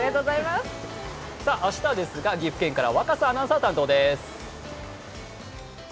明日は岐阜県から若狭アナウンサーが担当です。